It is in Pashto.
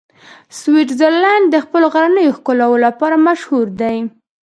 سویټزرلنډ د خپلو غرنیو ښکلاوو لپاره مشهوره دی.